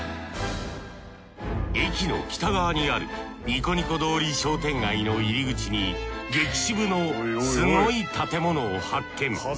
駅の北側にあるニコニコ通り商店街の入口に激渋のすごい建物を発見。